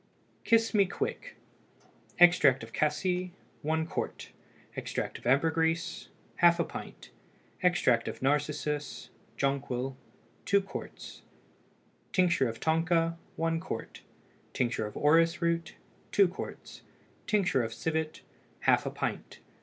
KISS ME QUICK. Extract of cassie 1 qt. Extract of ambergris ½ pint. Extract of narcissus (Jonquille) 2 qts. Tincture of tonka 1 qt. Tincture of orris root 2 qts. Tincture of civet ½ pint.